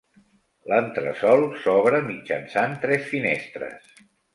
L'entresòl s'obre mitjançant tres finestres.